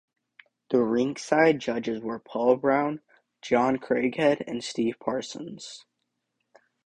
The rink-side judges were Paul Brown, John Craighead, and Steve Parsons.